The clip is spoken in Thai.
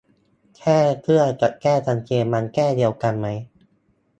แก้เครื่องกับแก้กางเกงมันแก้เดียวกันไหม